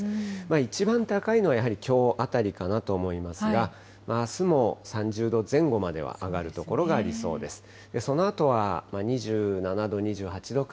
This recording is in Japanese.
一番高いのはやはりきょうあたりかなと思いますが、あすも３０度前後までは上がる所がありそうです。